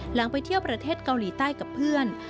ไปเที่ยวประเทศเกาหลีใต้กับเพื่อน